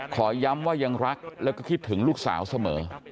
ขอย้ำว่ายังรักแล้วก็คิดถึงลูกสาวเสมอ